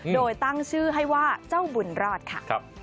โดยตั้งชื่อให้ว่าเจ้าบุญรอดค่ะ